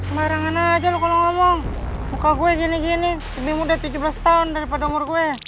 barang barang aja lo kalau ngomong muka gue gini gini lebih muda tujuh belas tahun daripada umur gue